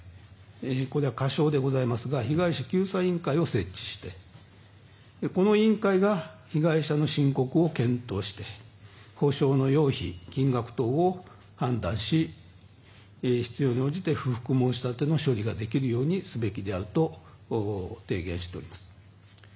これは仮称でございますが被害者救済委員会を設置してこの委員会が被害者の申告を検討して補償の要否、金額等を判断し必要に応じて不服申し立ての処理ができるようにすることを提言しております。